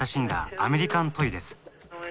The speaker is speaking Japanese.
アメリカントイです。